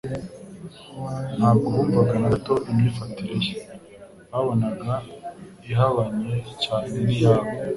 Ntabwo bumvaga na gato imyifatire ye. Babonaga ihabanye cyane n'iya bo.